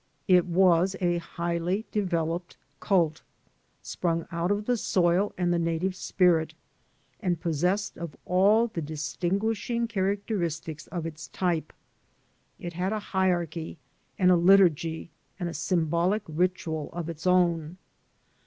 It was a highly developed cult, sprung out of the soil and the native spirit, and possessed of all the distinguishing characteristics of its type. It had a hierarchy and a liturgy and a symbolic ritual of its own.